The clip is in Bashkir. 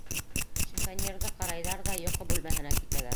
Шифоньерҙы ҡарайҙар ҙа йоҡо бүлмәһенә китәләр.